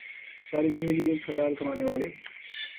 ساری زندگی رزق حلال کمانے والے